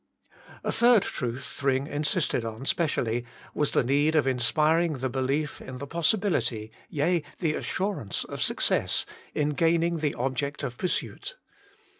A third truth Thring insisted on specially was the need of inspiring the belief in the possibility, yea, the assurance of success in gaining the object of pursuit.